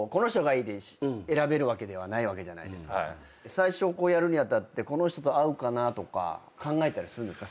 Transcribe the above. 最初やるに当たってこの人と合うかな？とか考えたりするんですか？